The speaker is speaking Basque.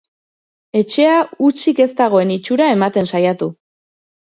Etxea hutsik ez dagoen itxura ematen saiatu.